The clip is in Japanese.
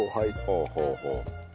ほうほうほう。